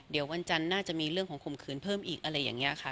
เดี๋ยววันจันทร์น่าจะมีเรื่องของข่มขืนเพิ่มอีกอะไรอย่างนี้ค่ะ